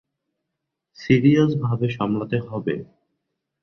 সিরিয়াসভাবে সামলাতে হবে।